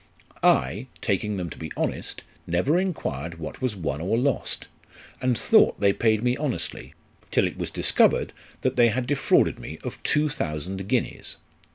" I, taking them to be honest, never enquired what was won or lost, and thought they paid me honestly, till it was discovered that they had defrauded me of 2000 guineas.